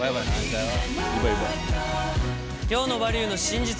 今日の「バリューの真実」